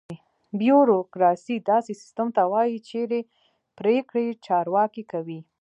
بیوروکراسي: داسې سیستم ته وایي چېرې پرېکړې چارواکي کوي.